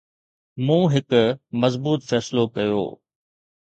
مون هڪ مضبوط فيصلو ڪيو